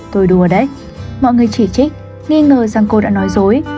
tôi đùa đấy mọi người chỉ trích nghi ngờ rằng cô đã nói dối